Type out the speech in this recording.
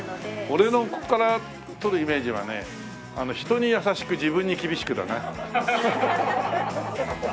俺のここから取るイメージはね「人に優しく自分に厳しく」だね。